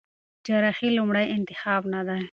جراحي لومړی انتخاب نه دی.